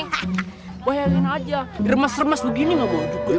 kau bayangin aja remas remas gue gini nggak boha